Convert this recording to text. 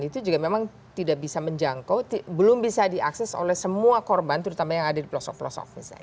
itu juga memang tidak bisa menjangkau belum bisa diakses oleh semua korban terutama yang ada di pelosok pelosok misalnya